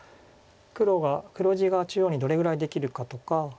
黒地が中央にどれぐらいできるかとか。